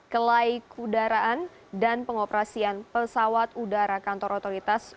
kelai kudaraan dan pengoperasian pesawat udara kantor otoritas